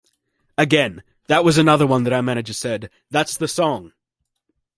Again, that was another one that our manager said, That's the song!